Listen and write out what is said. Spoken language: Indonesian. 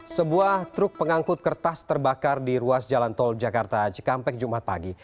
sebuah truk pengangkut kertas terbakar di ruas jalan tol jakarta cikampek jumat pagi